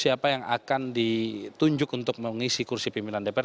siapa yang akan ditunjuk untuk mengisi kursi pimpinan dpr